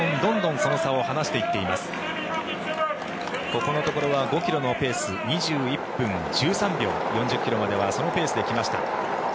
ここのところは５ｋｍのペース２１分１３秒４０ｋｍまではそのペースで来ました。